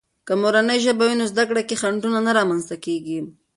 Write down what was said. که مورنۍ ژبه وي، نو زده کړې کې خنډونه نه رامنځته کېږي.